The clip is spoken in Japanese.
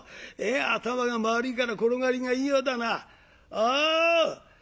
頭がまるいから転がりがいいようだな。